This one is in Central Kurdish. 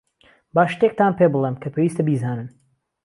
با شتێکتان پێبڵێم کە پێویستە بیزانن.